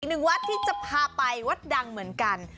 อีกหนึ่งวัดที่จะพาไปวัดดังเหมือนกัน